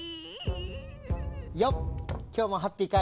よっきょうもハッピーかい？